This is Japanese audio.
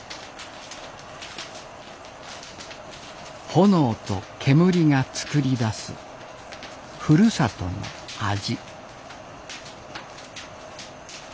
炎と煙が作り出すふるさとの味。